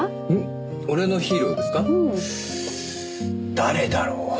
誰だろう？